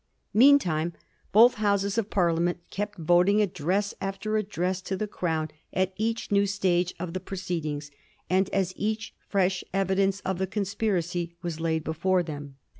Meantime both Houses of Parliament kept voting address after address to the Crown at each new stage of the proceedings, and as each fi esh evidence of the conspiracy was laid before them.